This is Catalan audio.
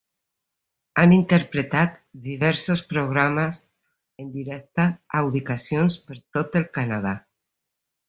Han interpretat diversos programes en directe a ubicacions per tot el Canadà.